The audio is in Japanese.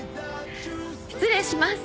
失礼します。